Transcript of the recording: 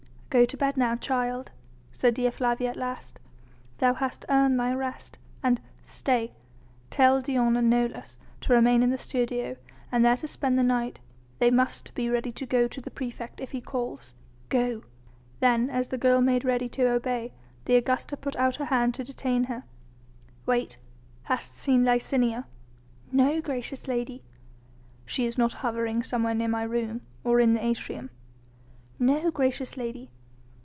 "Go to bed now, child," said Dea Flavia at last, "thou hast earned thy rest ... and ... stay! Tell Dion and Nolus to remain in the studio, and there to spend the night. They must be ready to go to the praefect if he calls.... Go!" Then as the girl made ready to obey, the Augusta put out her hand to detain her. "Wait! Hast seen Licinia?" "No, gracious lady." "She is not hovering somewhere near my room?... or in the atrium?" "No, gracious lady."